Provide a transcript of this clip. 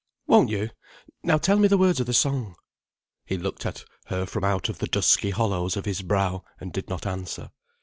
"Won't you? Now tell me the words of the song—" He looked at her from out of the dusky hollows of his brow, and did not answer.